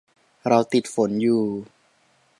เราติดฝนอยู่